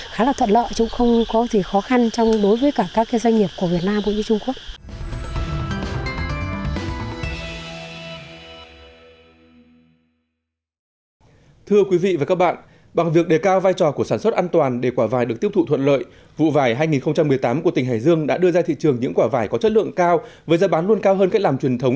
khá là thuận lợi chứ không có gì khó khăn